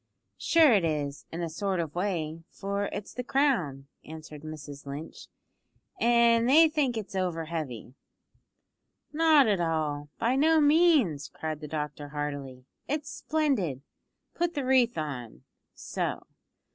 "Sure it is, in a sort of way, for it's the crown," answered Mrs Lynch, "an' they think it's over heavy." "Not at all; by no means," cried the doctor heartily. "It's splendid. Put the wreath on so.